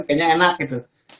kayaknya enak gitu